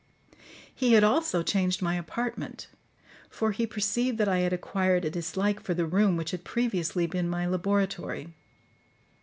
He had also changed my apartment; for he perceived that I had acquired a dislike for the room which had previously been my laboratory.